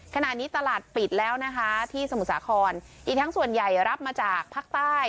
ขณะนี้ตลาดปิดแล้วนะคะที่สมุทรสาครอีกทั้งส่วนใหญ่รับมาจากภาคใต้